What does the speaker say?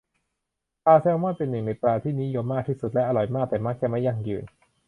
ปลาแซลมอนเป็นหนึ่งในปลาที่นิยมมากที่สุดและอร่อยมาก แต่มักจะไม่ยั่งยืน